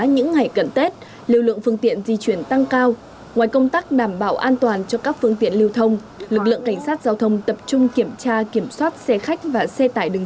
những ngày gần tết lưu lượng phương tiện